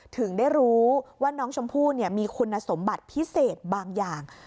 ถึงได้รู้ว่าน้องชมพู่มีคุณสมบัติพิเศษบางอย่าง